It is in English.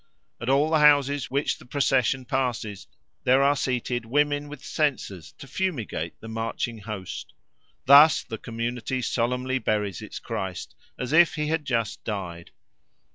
At all the houses which the procession passes there are seated women with censers to fumigate the marching host. Thus the community solemnly buries its Christ as if he had just died.